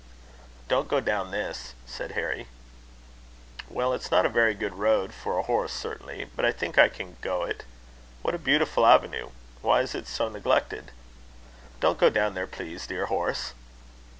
"Don't go down this," said Harry. "Well, it's not a very good road for a horse certainly, but I think I can go it. What a beautiful avenue! Why is it so neglected?" "Don't go down there, please, dear horse."